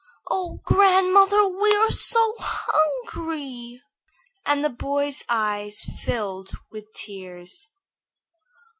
"Oh, grandmother, we are so hungry!" and the boy's eyes filled with tears.